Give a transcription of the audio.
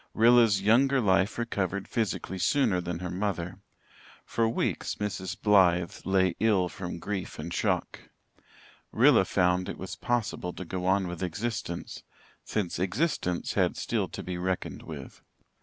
Rilla's younger life recovered physically sooner than her mother. For weeks Mrs. Blythe lay ill from grief and shock. Rilla found it was possible to go on with existence, since existence had still to be reckoned with.